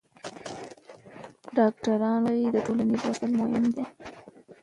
ډاکټران وايي ټولنیز وصل مهم دی.